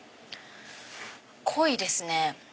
濃いですね。